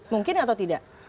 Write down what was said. mungkin atau tidak